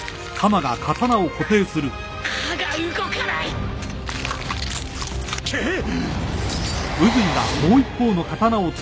刃が動かないくっ！